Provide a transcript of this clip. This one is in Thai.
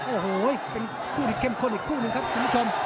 โอ้โหเป็นคู่ที่เข้มข้นอีกคู่หนึ่งครับคุณผู้ชม